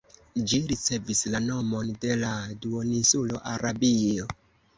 Ĝi ricevis la nomon de la duoninsulo Arabio.